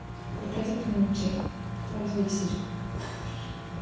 — Проклетото момче… то развали всичко.